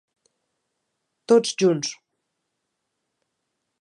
Tots Junts!